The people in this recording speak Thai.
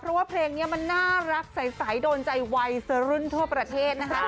เพราะว่าเพลงเนี้ยมันน่ารักใสโดนใจไวเสียรุ่นทั่วประเทศ